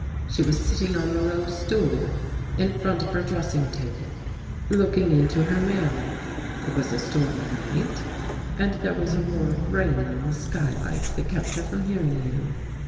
She was sitting on the low stool in front of her dressing table, looking into her mir ror. It was a stormy night and there was a roar of rain on the skylight that kept her from hearing you."